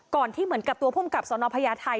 ที่เหมือนกับตัวภูมิกับสนพญาไทย